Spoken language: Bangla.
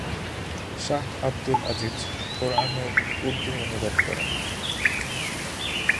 শাহ আবদুল আজিজ কুরআনের উর্দু অনুবাদ করেন।